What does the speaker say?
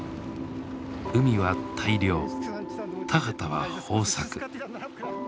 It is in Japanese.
海は大漁田畑は豊作。